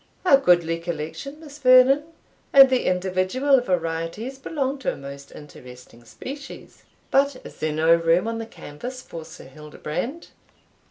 "A goodly collection, Miss Vernon, and the individual varieties belong to a most interesting species. But is there no room on the canvas for Sir Hildebrand?"